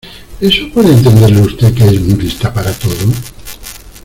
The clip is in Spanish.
¿ eso puede entenderlo usted que es muy lista para todo?